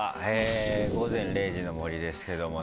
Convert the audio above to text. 『午前０時の森』ですけどもね。